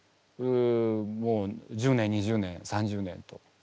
１０年２０年３０年と。